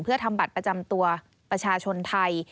เพื่อทำบัตรประจำตัวประชาชนไทย